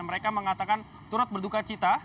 mereka mengatakan turut berduka cita